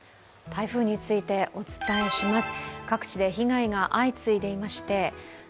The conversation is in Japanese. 台風についてお伝えします。